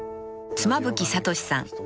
［妻夫木聡さん